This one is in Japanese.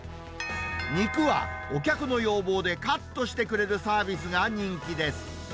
肉はお客の要望でカットしてくれるサービスが人気です。